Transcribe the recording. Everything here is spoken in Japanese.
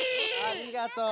ありがとう。